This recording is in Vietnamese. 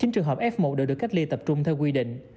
chín trường hợp f một đều được cách ly tập trung theo quy định